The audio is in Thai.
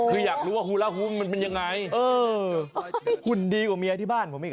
คืออยากรู้ว่าฮูลาฮุ้มมันเป็นยังไงเออหุ่นดีกว่าเมียที่บ้านผมอีก